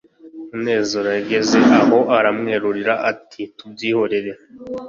munezero yageze aho aramwerurira ati: “tubyihorere.”